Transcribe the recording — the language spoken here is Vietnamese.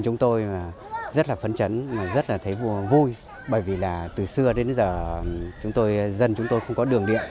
chúng tôi rất là phấn chấn rất là thấy vui bởi vì là từ xưa đến giờ dân chúng tôi không có đường điện